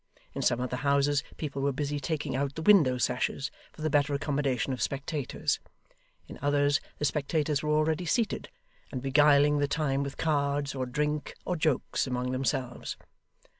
In some of the houses, people were busy taking out the window sashes for the better accommodation of spectators; in others, the spectators were already seated, and beguiling the time with cards, or drink, or jokes among themselves.